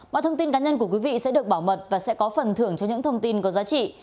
mọi thông tin cá nhân của quý vị sẽ được bảo mật và sẽ có phần thưởng cho những thông tin có giá trị